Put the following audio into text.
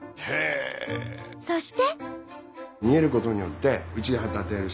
そして。